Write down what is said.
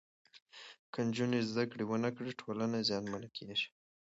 که نجونې زدهکړه ونکړي، ټولنه زیانمنه کېږي.